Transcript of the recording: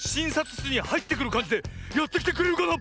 しつにはいってくるかんじでやってきてくれるかな？